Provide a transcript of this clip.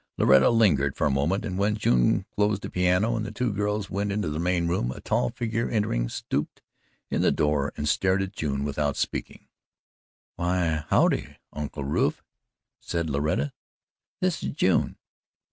Loretta lingered a moment and when June closed the piano and the two girls went into the main room, a tall figure, entering, stopped in the door and stared at June without speaking: "Why, howdye, Uncle Rufe," said Loretta. "This is June.